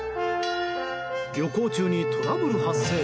旅行中にトラブル発生！